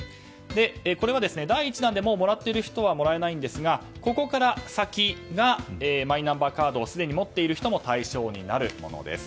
これは第１弾でもらっている人はもらえないんですがここから先がマイナンバーカードをすでに持っている人も対象になるものです。